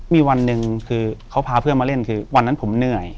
มีวันหนึ่งคือเขาพาเพื่อนมาเล่นคือวันนั้นผมเหนื่อย